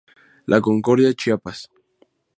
La Concordia, Chiapas.